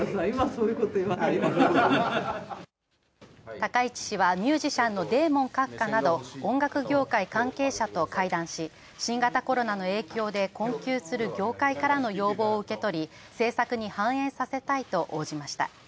高市氏はミュージシャンのデーモン閣下など音楽業界関係者と会談し、新型コロナの影響で困窮する業界からの要望を受け取り自身の政策に反映させたいと応じました。